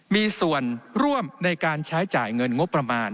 มีส่วนร่วมในการใช้จ่ายเงินงบประมาณ